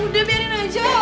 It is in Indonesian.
udah biarin aja